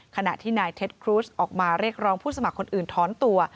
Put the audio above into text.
ขณะที่นายเท็จครูสออกมาเรียกร้องผู้สมัครคนอื่นท้อนตัว